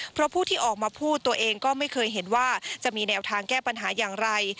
เพราะผู้ที่ออกมาพูดตัวเองก็ไม่เคยเห็นว่าจะมีแนวทางแก้ปัญหาอย่างไร